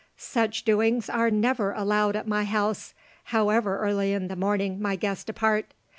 "Such doings are never allowed at my house, however early in the morning my guests depart.